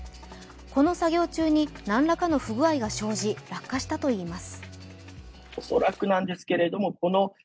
この作業中に何らかの不具合が生じ、落下したといいます。